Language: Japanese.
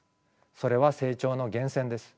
それは成長の源泉です。